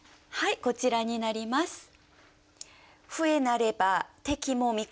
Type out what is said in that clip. はいこちらになります。